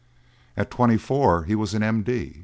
At twenty four he was an M.D.